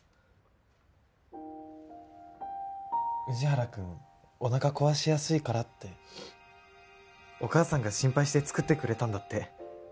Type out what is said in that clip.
宇治原くんおなか壊しやすいからってお母さんが心配して作ってくれたんだって。